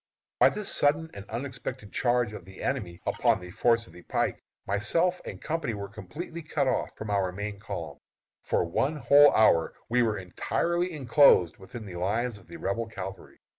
By this sudden and unexpected charge of the enemy upon the force on the pike, myself and company were completely cut off from our main column. For one whole hour we were entirely enclosed within the lines of the Rebel cavalry.